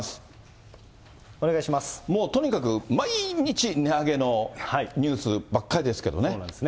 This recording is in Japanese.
もうとにかく、毎日値上げのニュースばっかりですけどね。